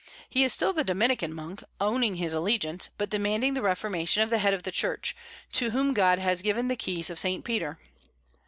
He is still the Dominican monk, owning his allegiance, but demanding the reformation of the head of the Church, to whom God has given the keys of Saint Peter.